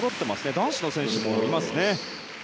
男子の選手もいますね。